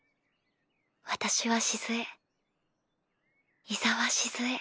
私は静江井沢静江。